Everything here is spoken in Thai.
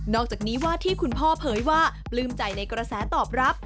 อกจากนี้ว่าที่คุณพ่อเผยว่าปลื้มใจในกระแสตอบรับ